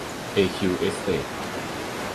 เอคิว เอสเตท